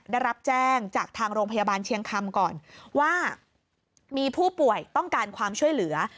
ได้รับแจ้งจากทางโรงพยาบาลเชียงคำก่อนว่ามีผู้ป่วยต้องการความช่วยเหลือ